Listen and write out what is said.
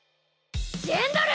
ジェンドル